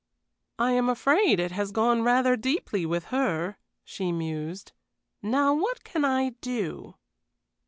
"I am afraid it has gone rather deeply with her," she mused. "Now what can I do?"